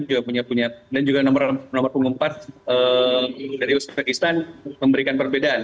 kita lihat abos nebazuluyev dan juga jasurbek dan juga nomor keempat dari uzbekistan memberikan perbedaan